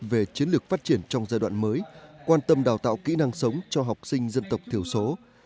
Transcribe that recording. về chiến lược phát triển trong giai đoạn mới quan tâm đào tạo kỹ năng sống cho học sinh dân tộc thiểu số